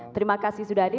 terima kasih sudah ada